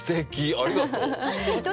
ありがとう。